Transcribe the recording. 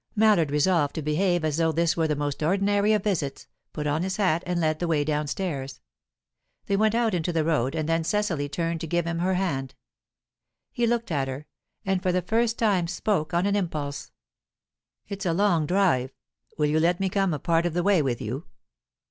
Mallard, resolved to behave as though this were the most ordinary of visits, put on his hat and led the way downstairs. They went out into the road, and then Cecily turned to give him her hand. He looked at her, and for the first time spoke on an impulse. "It's a long drive. Will you let me come a part of the way with you?"